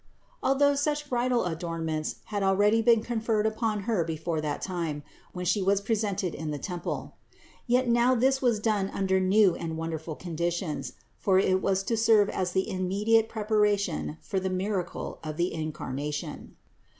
Although such bridal adornment had already been conferred upon Her before that time, when She was presented in the temple (Part I, 436) ; yet now this was done under new and wonderful conditions; for it was to serve as the imme diate preparation for the miracle of the Incarnation.